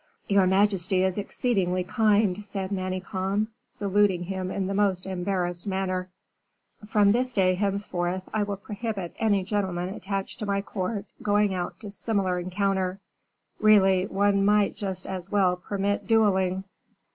"Your majesty is exceedingly kind," said Manicamp, saluting him in the most embarrassed manner. "From this day henceforth, I will prohibit any gentleman attached to my court going out to a similar encounter. Really, one might just as well permit duelling."